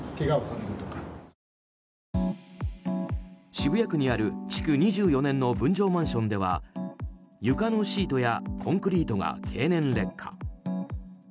渋谷区にある築２４年の分譲マンションでは床のシートやコンクリートが経年劣化。